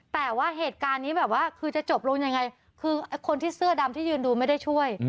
แต่ว่าเหตุการณ์นี้แบบว่าคือจะจบลงยังไงคือคนที่เสื้อดำที่ยืนดูไม่ได้ช่วย